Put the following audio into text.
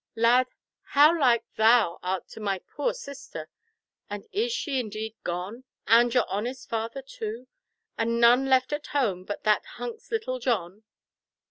"Lad, how like thou art to my poor sister! And is she indeed gone—and your honest father too—and none left at home but that hunks, little John?